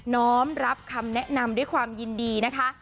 ้อมรับคำแนะนำด้วยความยินดีนะคะ